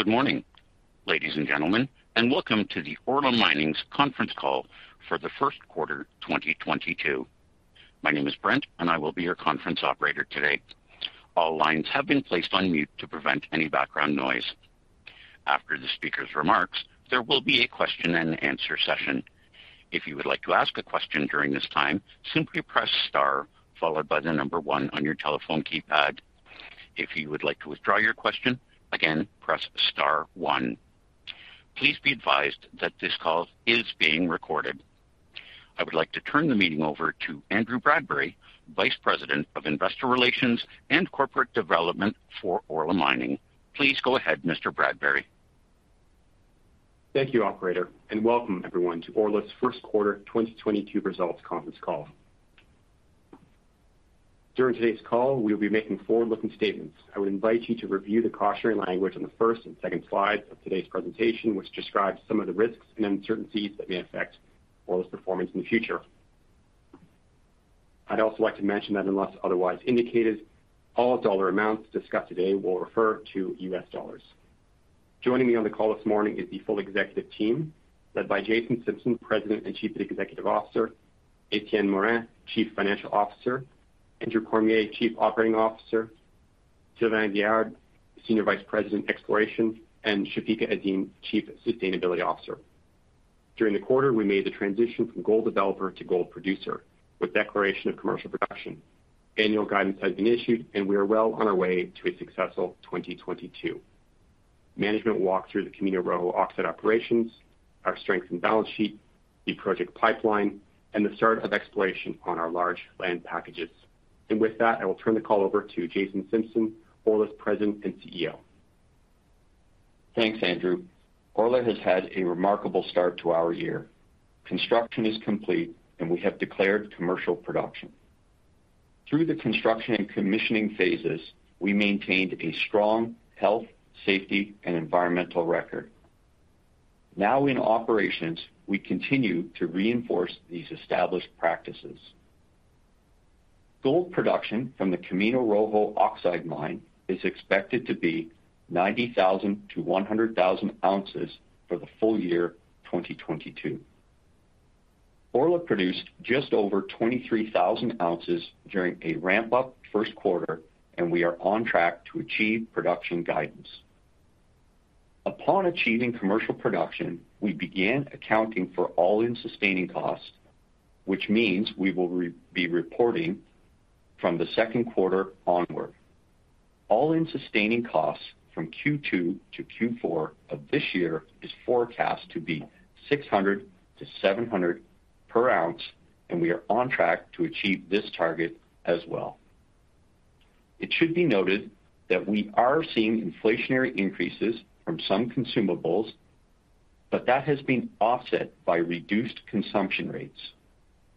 Good morning, ladies and gentlemen, and welcome to the Orla Mining's conference call for the first quarter, 2022. My name is Brent, and I will be your conference operator today. All lines have been placed on mute to prevent any background noise. After the speaker's remarks, there will be a question and answer session. If you would like to ask a question during this time, simply press star followed by the number one on your telephone keypad. If you would like to withdraw your question, again, press star one. Please be advised that this call is being recorded. I would like to turn the meeting over to Andrew Bradbury, Vice President of Investor Relations and Corporate Development for Orla Mining. Please go ahead, Mr. Bradbury. Thank you, operator, and welcome everyone to Orla's first quarter 2022 results conference call. During today's call, we'll be making forward-looking statements. I would invite you to review the cautionary language on the first and second slides of today's presentation, which describes some of the risks and uncertainties that may affect Orla's performance in the future. I'd also like to mention that unless otherwise indicated, all dollar amounts discussed today will refer to US dollars. Joining me on the call this morning is the full executive team, led by Jason Simpson, President and Chief Executive Officer, Etienne Morin, Chief Financial Officer, Andrew Cormier, Chief Operating Officer, Sylvain Guerard, Senior Vice President, Exploration, and Chafika Eddine, Chief Sustainability Officer. During the quarter, we made the transition from gold developer to gold producer with declaration of commercial production. Annual guidance has been issued, and we are well on our way to a successful 2022. Management walked through the Camino Rojo oxide operations, our strength and balance sheet, the project pipeline, and the start of exploration on our large land packages. With that, I will turn the call over to Jason Simpson, Orla's President and CEO. Thanks, Andrew. Orla has had a remarkable start to our year. Construction is complete, and we have declared commercial production. Through the construction and commissioning phases, we maintained a strong health, safety, and environmental record. Now in operations, we continue to reinforce these established practices. Gold production from the Camino Rojo oxide mine is expected to be 90,000-100,000 ounces for the full year 2022. Orla produced just over 23,000 ounces during a ramp-up first quarter, and we are on track to achieve production guidance. Upon achieving commercial production, we began accounting for all-in sustaining costs, which means we will be reporting from the second quarter onward. All-in sustaining costs from Q2 to Q4 of this year is forecast to be $600-$700 per ounce, and we are on track to achieve this target as well. It should be noted that we are seeing inflationary increases from some consumables, but that has been offset by reduced consumption rates.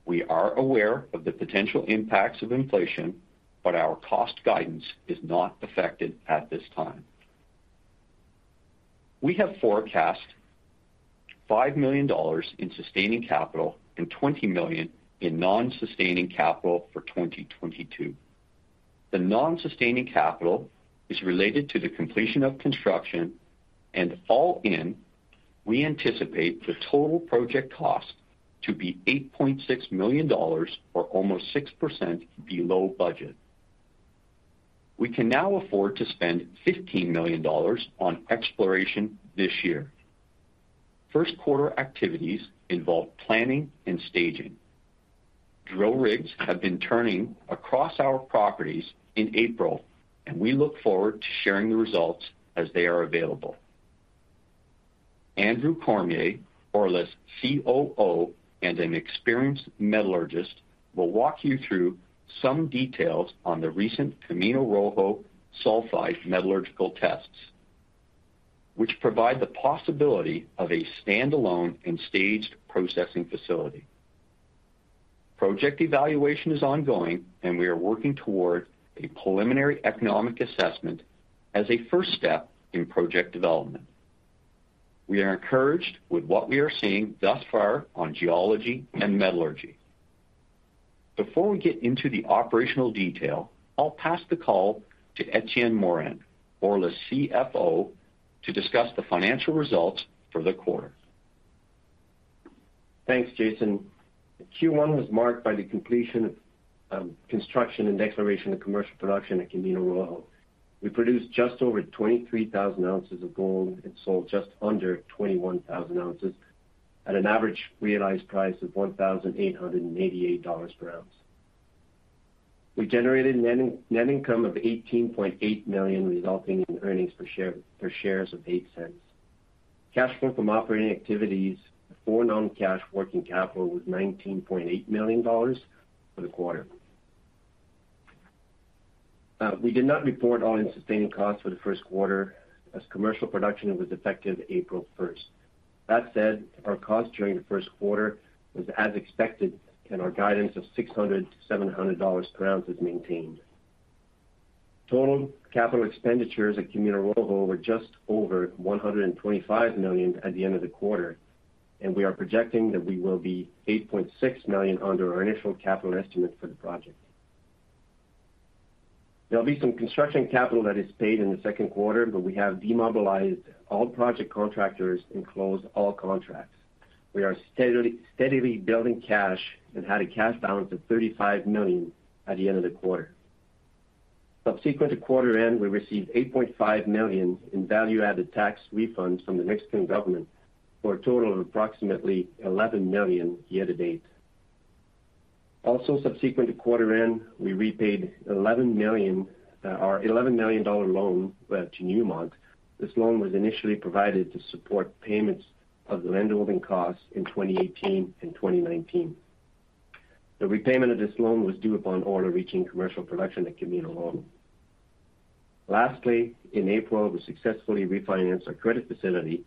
We are aware of the potential impacts of inflation, but our cost guidance is not affected at this time. We have forecast $5 million in sustaining capital and $20 million in non-sustaining capital for 2022. The non-sustaining capital is related to the completion of construction. All in, we anticipate the total project cost to be $8.6 million or almost 6% below budget. We can now afford to spend $15 million on exploration this year. First quarter activities involve planning and staging. Drill rigs have been turning across our properties in April, and we look forward to sharing the results as they are available. Andrew Cormier, Orla's COO and an experienced metallurgist, will walk you through some details on the recent Camino Rojo sulfide metallurgical tests, which provide the possibility of a standalone and staged processing facility. Project evaluation is ongoing, and we are working toward a preliminary economic assessment as a first step in project development. We are encouraged with what we are seeing thus far on geology and metallurgy. Before we get into the operational detail, I'll pass the call to Etienne Morin, Orla's CFO, to discuss the financial results for the quarter. Thanks, Jason. The Q1 was marked by the completion of construction and declaration of commercial production at Camino Rojo. We produced just over 23,000 ounces of gold and sold just under 21,000 ounces at an average realized price of $1,888 per ounce. We generated net income of $18.8 million, resulting in earnings per share of $0.08. Cash flow from operating activities for non-cash working capital was $19.8 million for the quarter. We did not report all-in sustaining costs for the first quarter as commercial production was effective April 1st. That said, our cost during the first quarter was as expected, and our guidance of $600-$700 per ounce is maintained. Total capital expenditures at Camino Rojo were just over $125 million at the end of the quarter, and we are projecting that we will be $8.6 million under our initial capital estimate for the project. There'll be some construction capital that is paid in the second quarter, but we have demobilized all project contractors and closed all contracts. We are steadily building cash and had a cash balance of $35 million at the end of the quarter. Subsequent to quarter end, we received $8.5 million in value-added tax refunds from the Mexican government for a total of approximately $11 million year-to-date. Also subsequent to quarter end, we repaid $11 million, our $11 million loan, to Newmont. This loan was initially provided to support payments of the land holding costs in 2018 and 2019. The repayment of this loan was due upon Orla reaching commercial production at Camino Rojo. Lastly, in April, we successfully refinanced our credit facility.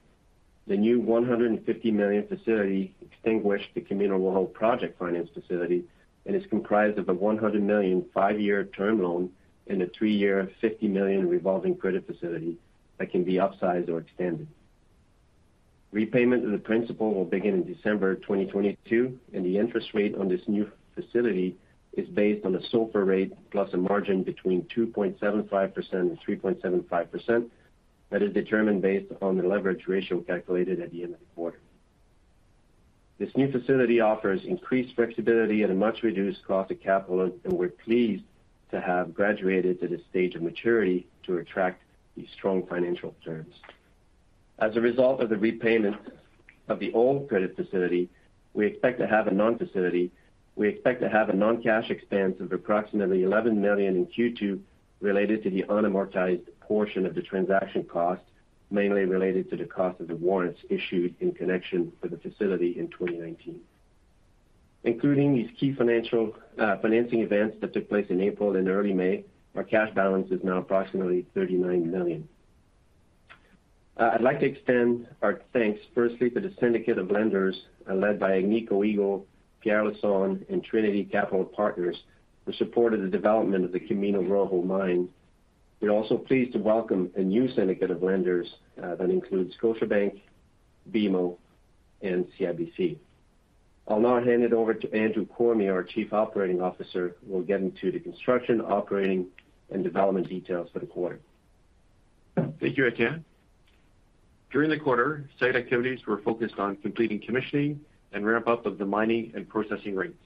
The new $150 million facility extinguished the Camino Rojo project finance facility, and is comprised of a $100 million five-year term loan and a three-year $50 million revolving credit facility that can be upsized or extended. Repayment of the principal will begin in December 2022, and the interest rate on this new facility is based on a SOFR rate plus a margin between 2.75% and 3.75% that is determined based upon the leverage ratio calculated at the end of the quarter. This new facility offers increased flexibility at a much-reduced cost of capital, and we're pleased to have graduated to this stage of maturity to attract these strong financial terms. As a result of the repayment of the old credit facility, we expect to have a non-cash expense of approximately $11 million in Q2 related to the unamortized portion of the transaction cost, mainly related to the cost of the warrants issued in connection with the facility in 2019. Including these key financial, financing events that took place in April and early May, our cash balance is now approximately $39 million. I'd like to extend our thanks firstly to the syndicate of lenders led by Agnico Eagle, Pierre Lassonde, and Trinity Capital Partners for support of the development of the Camino Rojo mine. We're also pleased to welcome a new syndicate of lenders that includes Scotiabank, BMO, and CIBC. I'll now hand it over to Andrew Cormier, our Chief Operating Officer, who will get into the construction, operating, and development details for the quarter. Thank you, Etienne. During the quarter, site activities were focused on completing commissioning and ramp-up of the mining and processing rates.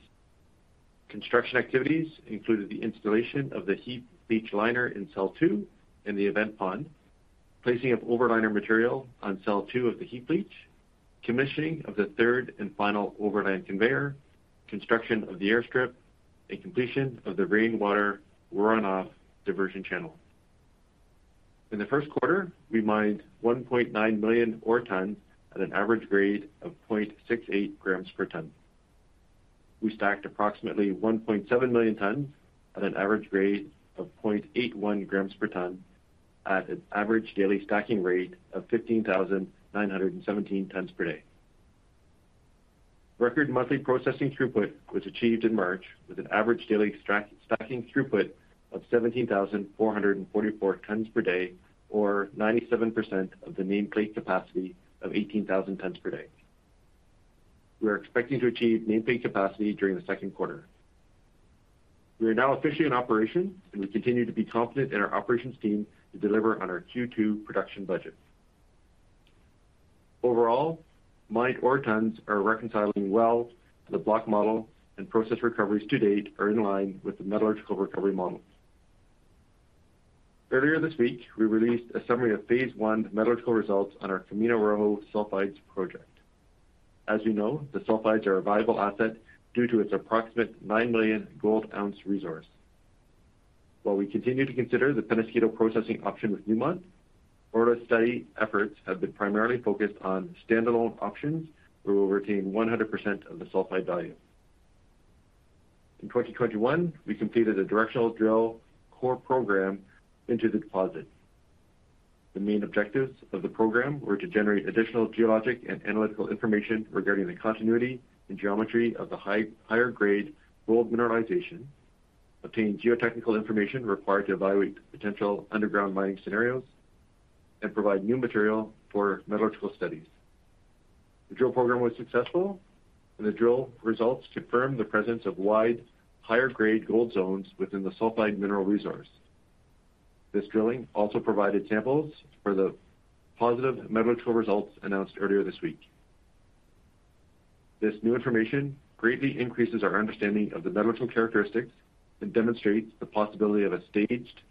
Construction activities included the installation of the heap leach liner in Cell 2 in the event pond, placing of overliner material on Cell 2 of the heap leach, commissioning of the third and final overland conveyor, construction of the airstrip, and completion of the rainwater runoff diversion channel. In the first quarter, we mined 1.9 million ore tons at an average grade of 0.68 g per ton. We stacked approximately 1.7 million tons at an average grade of 0.81 g per ton at an average daily stacking rate of 15,917 tons per day. Record monthly processing throughput was achieved in March with an average daily extract-stacking throughput of 17,444 tons per day or 97% of the nameplate capacity of 18,000 tons per day. We are expecting to achieve nameplate capacity during the second quarter. We are now officially in operation, and we continue to be confident in our operations team to deliver on our Q2 production budget. Overall, mined ore tons are reconciling well to the block model, and process recoveries to-date are in line with the metallurgical recovery models. Earlier this week, we released a summary of phase one metallurgical results on our Camino Rojo sulfides project. As you know, the sulfides are a viable asset due to its approximate 9 million gold ounce resource. While we continue to consider the Peñasquito processing option with Newmont, Orla study efforts have been primarily focused on standalone options where we'll retain 100% of the sulfide value. In 2021, we completed a directional drill core program into the deposit. The main objectives of the program were to generate additional geologic and analytical information regarding the continuity and geometry of the higher grade gold mineralization, obtain geotechnical information required to evaluate potential underground mining scenarios, and provide new material for metallurgical studies. The drill program was successful, and the drill results confirmed the presence of wide higher grade gold zones within the sulfide mineral resource. This drilling also provided samples for the positive metallurgical results announced earlier this week. This new information greatly increases our understanding of the metallurgical characteristics and demonstrates the possibility of a staged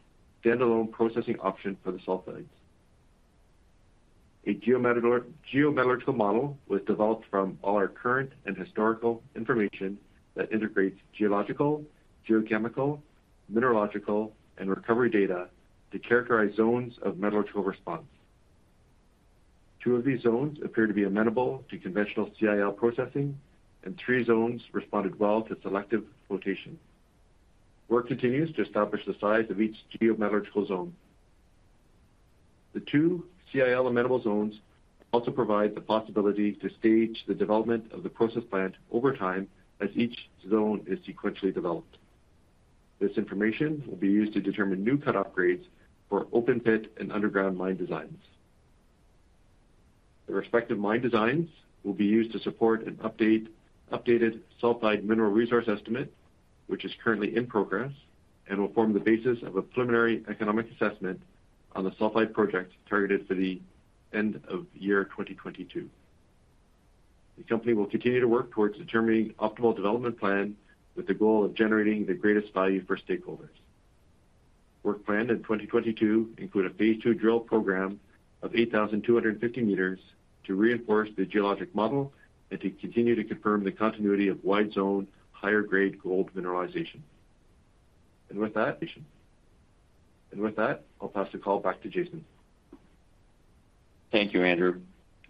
standalone processing option for the sulfides. A geometallurgical model was developed from all our current and historical information that integrates geological, geochemical, mineralogical, and recovery data to characterize zones of metallurgical response. Two of these zones appear to be amenable to conventional CIL processing, and three zones responded well to selective flotation. Work continues to establish the size of each geometallurgical zone. The two CIL amenable zones also provide the possibility to stage the development of the process plant over time as each zone is sequentially developed. This information will be used to determine new cut-off grades for open pit and underground mine designs. The respective mine designs will be used to support an updated sulfide mineral resource estimate, which is currently in progress, and will form the basis of a preliminary economic assessment on the sulfide project targeted for the end of 2022. The company will continue to work towards determining optimal development plan with the goal of generating the greatest value for stakeholders. Work planned in 2022 include a phase II drill program of 8,250 m to reinforce the geologic model and to continue to confirm the continuity of wide zone, higher grade gold mineralization. With that, I'll pass the call back to Jason. Thank you, Andrew.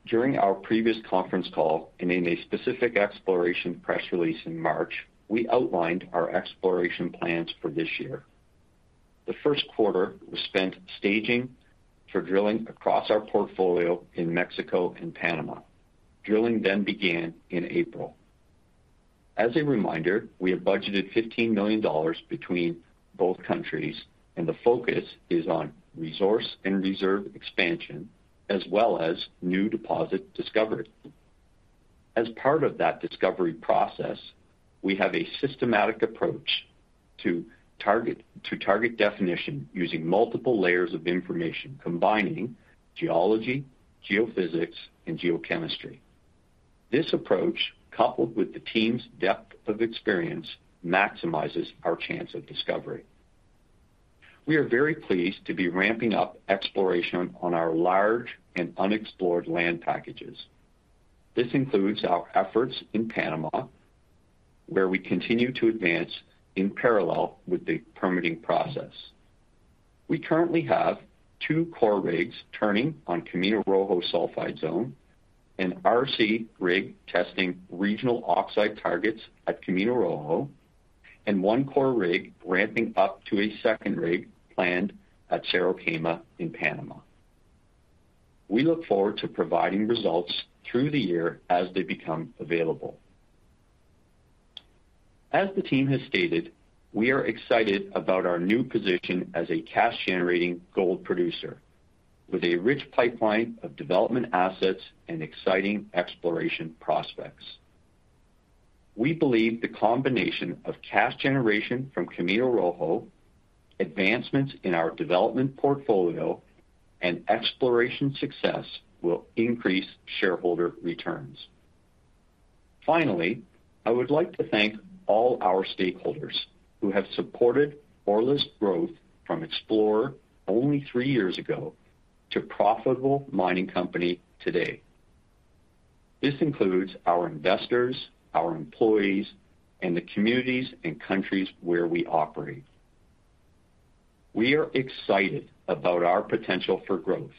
During our previous conference call and in a specific exploration press release in March, we outlined our exploration plans for this year. The first quarter was spent staging for drilling across our portfolio in Mexico and Panama. Drilling then began in April. As a reminder, we have budgeted $15 million between both countries, and the focus is on resource and reserve expansion as well as new deposit discovery. As part of that discovery process, we have a systematic approach to target definition using multiple layers of information, combining geology, geophysics, and geochemistry. This approach, coupled with the team's depth of experience, maximizes our chance of discovery. We are very pleased to be ramping up exploration on our large and unexplored land packages. This includes our efforts in Panama, where we continue to advance in parallel with the permitting process. We currently have two core rigs turning on Camino Rojo sulfide zone, an RC rig testing regional oxide targets at Camino Rojo, and one core rig ramping up to a second rig planned at Cerro Quema in Panama. We look forward to providing results through the year as they become available. As the team has stated, we are excited about our new position as a cash-generating gold producer with a rich pipeline of development assets and exciting exploration prospects. We believe the combination of cash generation from Camino Rojo, advancements in our development portfolio, and exploration success will increase shareholder returns. Finally, I would like to thank all our stakeholders who have supported Orla's growth from explorer only three years ago to profitable mining company today. This includes our investors, our employees, and the communities and countries where we operate. We are excited about our potential for growth.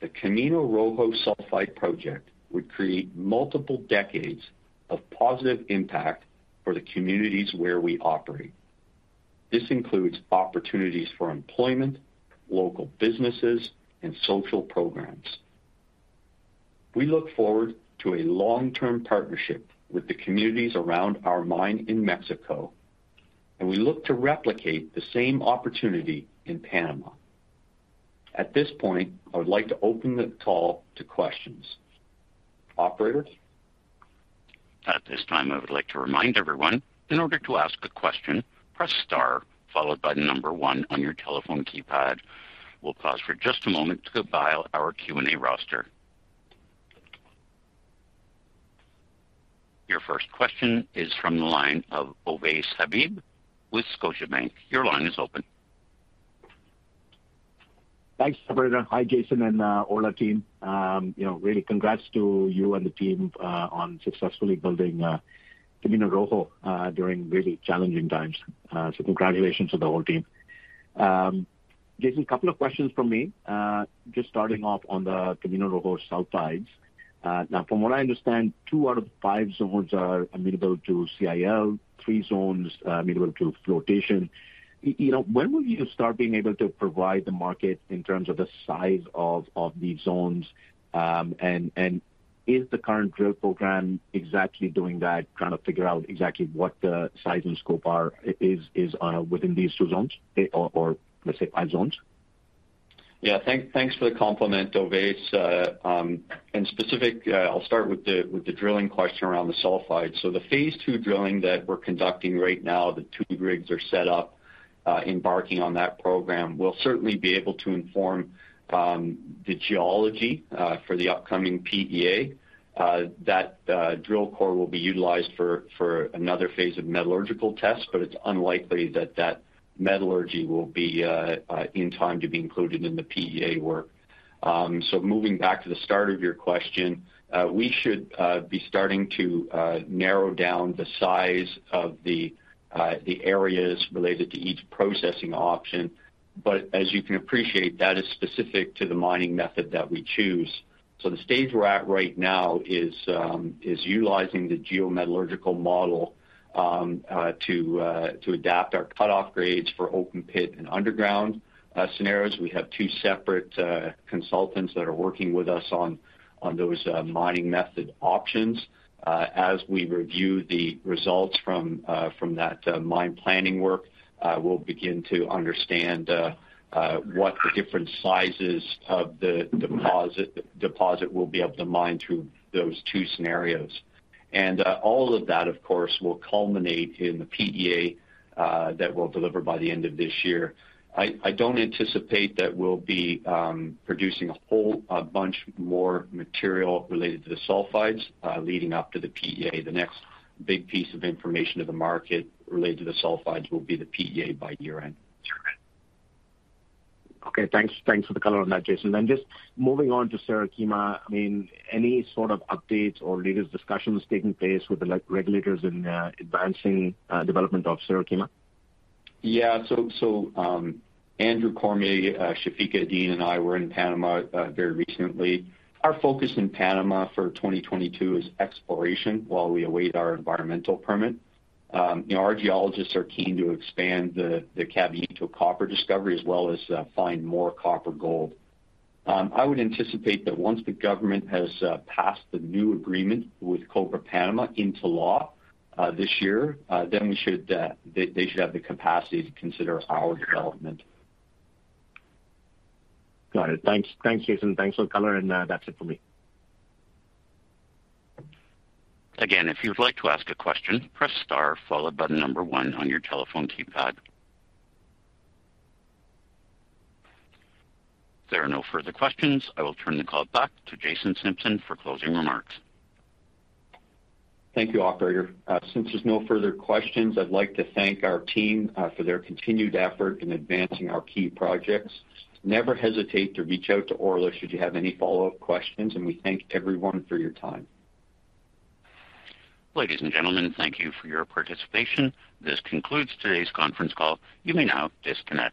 The Camino Rojo Sulfide project would create multiple decades of positive impact for the communities where we operate. This includes opportunities for employment, local businesses, and social programs. We look forward to a long-term partnership with the communities around our mine in Mexico, and we look to replicate the same opportunity in Panama. At this point, I would like to open the call to questions. Operator? At this time, I would like to remind everyone in order to ask a question, press star followed by the number one on your telephone keypad. We'll pause for just a moment to compile our Q&A roster. Your first question is from the line of Ovais Habib with Scotiabank. Your line is open. Thanks, operator. Hi, Jason and all the team. You know, really congrats to you and the team on successfully building Camino Rojo during really challenging times. Congratulations to the whole team. Jason, a couple of questions from me. Just starting off on the Camino Rojo sulfides. Now from what I understand, two out of the five zones are amenable to CIL, three zones amenable to flotation. You know, when will you start being able to provide the market in terms of the size of these zones? And is the current drill program exactly doing that, trying to figure out exactly what the size and scope are within these two zones or let's say five zones? Yeah. Thanks for the compliment, Ovais. Specifically, I'll start with the drilling question around the sulfide. The phase II drilling that we're conducting right now, the two rigs are set up, embarking on that program, will certainly be able to inform the geology for the upcoming PEA. That drill core will be utilized for another phase of metallurgical tests, but it's unlikely that that metallurgy will be in time to be included in the PEA work. Moving back to the start of your question, we should be starting to narrow down the size of the areas related to each processing option. As you can appreciate, that is specific to the mining method that we choose. So the stage we're at right now is utilizing the geometallurgical model to adapt our cutoff grades for open pit and underground scenarios. We have two separate consultants that are working with us on those mining method options. As we review the results from that mine planning work, we'll begin to understand what the different sizes of the deposit we'll be able to mine through those two scenarios. All of that, of course, will culminate in the PEA that we'll deliver by the end of this year. I don't anticipate that we'll be producing a whole bunch more material related to the sulfides leading up to the PEA. The next big piece of information to the market related to the sulfides will be the PEA by year-end. Okay, thanks. Thanks for the color on that, Jason. Just moving on to Cerro Quema, I mean, any sort of updates or latest discussions taking place with the, like, regulators in advancing development of Cerro Quema? Andrew Cormier, Chafika Eddine, and I were in Panama very recently. Our focus in Panama for 2022 is exploration while we await our environmental permit. You know, our geologists are keen to expand the Caballito copper discovery as well as find more copper gold. I would anticipate that once the government has passed the new agreement with Cobre Panama into law this year, then they should have the capacity to consider our development. Got it. Thanks. Thanks, Jason. Thanks for the color, and that's it for me. Again, if you'd like to ask a question, press star followed by the number one on your telephone keypad. If there are no further questions, I will turn the call back to Jason Simpson for closing remarks. Thank you, operator. Since there's no further questions, I'd like to thank our team for their continued effort in advancing our key projects. Never hesitate to reach out to Orla should you have any follow-up questions, and we thank everyone for your time. Ladies and gentlemen, thank you for your participation. This concludes today's conference call. You may now disconnect.